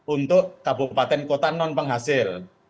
untuk kabupaten kota non penghasil